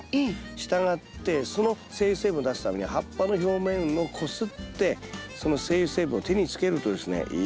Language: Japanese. したがってその精油成分を出すためには葉っぱの表面をこすってその精油成分を手につけるとですねいい香りが持続しますよ。